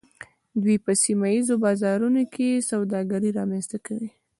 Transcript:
دوی په سیمه ایزو بازارونو کې سوداګري رامنځته کوي